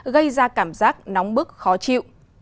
gây ra cảm giác nóng bức khó chịu